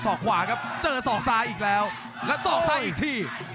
รับทราบบรรดาศักดิ์